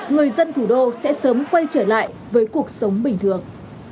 người dân thủ đô sẽ sớm quay trở lại với cuộc sống bình thường